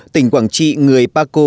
tỉnh quảng trị người paco